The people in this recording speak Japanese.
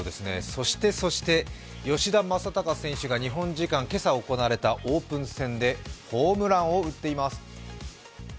そしてそして、吉田正尚選手が日本時間今朝行われたオープン戦でホームランを打っています。